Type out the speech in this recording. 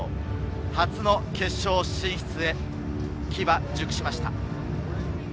初の決勝進出へ、機は熟しました。